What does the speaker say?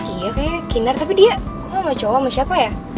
iya kayaknya kinar tapi dia wah mau cowok sama siapa ya